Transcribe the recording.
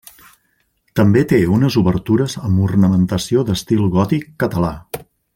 També té unes obertures amb ornamentació d'estil gòtic català.